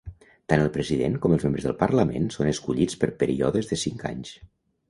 Tant el president com els membres del Parlament són escollits per períodes de cinc anys.